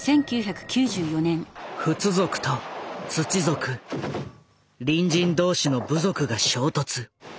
フツ族とツチ族隣人同士の部族が衝突。